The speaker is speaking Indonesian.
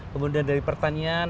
kemudian dari pertanian